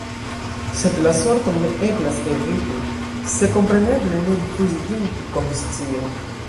Sed la sorton ne eblas eviti – se, kompreneble, ne rifuzi ĝin tutkonscie.